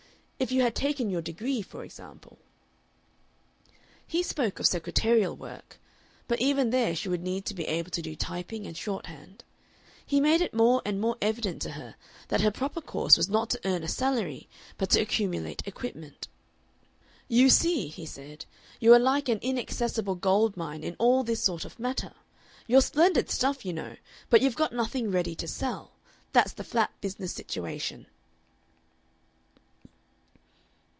If you had taken your degree, for example." He spoke of secretarial work, but even there she would need to be able to do typing and shorthand. He made it more and more evident to her that her proper course was not to earn a salary but to accumulate equipment. "You see," he said, "you are like an inaccessible gold mine in all this sort of matter. You're splendid stuff, you know, but you've got nothing ready to sell. That's the flat business situation."